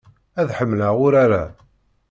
Ad ḥemmleɣ urar-a.